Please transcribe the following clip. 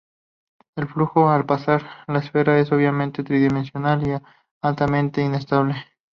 El flujo al pasar la esfera es obviamente tridimensional y altamente inestable.